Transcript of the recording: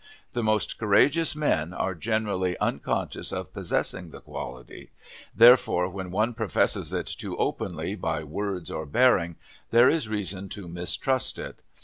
The most courageous men are generally unconscious of possessing the quality; therefore, when one professes it too openly, by words or bearing, there is reason to mistrust it.